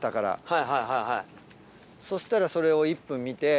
そしたらそれを。